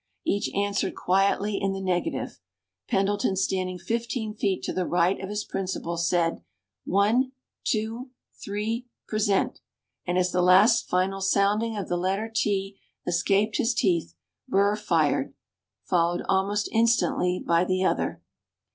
Each answered quietly in the negative. Pendleton, standing fifteen feet to the right of his principal, said: "One two three present!" and as the last final sounding of the letter "t" escaped his teeth, Burr fired, followed almost instantly by the other.